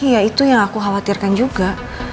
ya itu yang aku khawatirkan juga